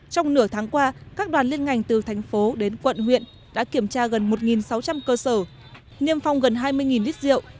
trong nửa tháng qua các đoàn liên ngành từ thành phố đến quận huyện đã kiểm tra gần một sáu trăm linh cơ sở niêm phong gần hai mươi lít rượu